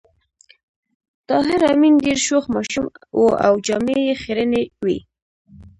طاهر آمین ډېر شوخ ماشوم و او جامې یې خيرنې وې